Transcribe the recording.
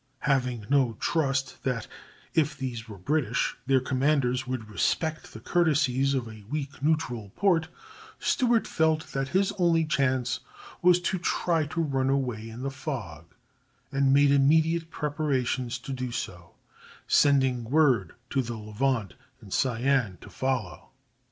Having no trust that, if these were British, their commanders would respect the courtesies of a weak neutral port, Stewart felt that his only chance was to try to run away in the fog, and made immediate preparations to do so, sending word to the Levant and Cyane to follow.